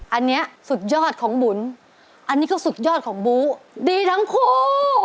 อันนี้สุดยอดของบุ๋นอันนี้ก็สุดยอดของบู๊ดีทั้งคู่